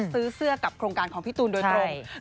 ซื้อเสื้อกับโครงการของพี่ตูนโดยตรง